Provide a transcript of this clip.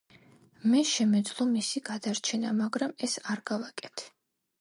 მე შემეძლო მისი გადარჩენა, მაგრამ ეს არ გავაკეთე.